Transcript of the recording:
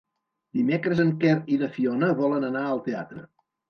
Dimecres en Quer i na Fiona volen anar al teatre.